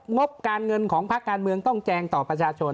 งบการเงินของภาคการเมืองต้องแจงต่อประชาชน